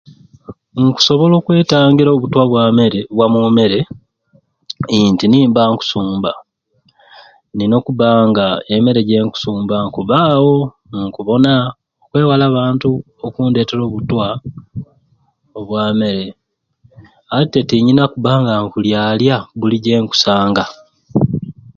Nkusobola okwetangiira obutwa bwa meere bwa mumeere nti nimba nkusumba nina okubba nga emeere jenkusumba nkubaawo nkubona okwewala abantu okundetera obutwa obwa meere ate tte tinyina kubba nga nkulyalya buli jenkusanga.